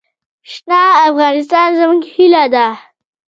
شنه افغانستان زموږ هیله ده.